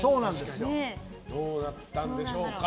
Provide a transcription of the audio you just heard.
どうなったんでしょうか。